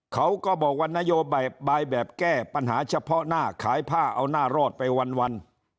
เขาก็บอกว่านโยบายบายแบบแก้ปัญหาเฉพาะหน้าขายผ้าเอาหน้ารอดไปวัน